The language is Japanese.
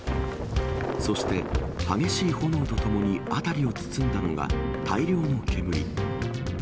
そして、激しい炎とともに辺りを包んだのが大量の煙。